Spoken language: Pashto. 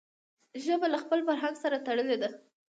ژبه له خپل فرهنګ سره تړلي ده.